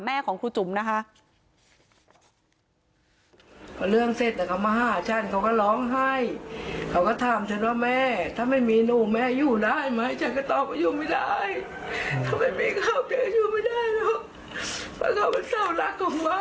ของครูจุ๋มนะคะ